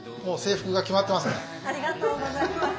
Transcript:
ありがとうございます。